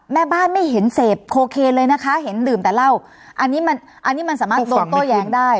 แม่บ้านไม่เห็นเสพโคเคนเลยนะคะเห็นดื่มแต่เหล้าอันนี้มันอันนี้มันสามารถโดนโต้แย้งได้